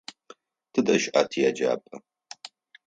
Тыдэ щыӏа тиеджапӏэ?